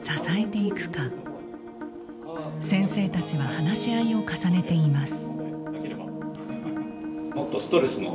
先生たちは話し合いを重ねています。